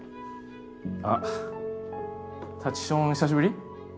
あっ立ちション久しぶり？